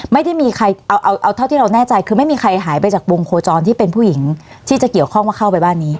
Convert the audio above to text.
ไม่ได้มีใครเอาเอาเท่าที่เราแน่ใจคือไม่มีใครหายไปจากวงโคจรที่เป็นผู้หญิงที่จะเกี่ยวข้องว่าเข้าไปบ้านนี้